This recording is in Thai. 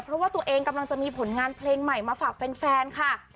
เพราะว่าตัวเองกำลังจะมีผลงานเพลงใหม่มาฝากแฟนค่ะ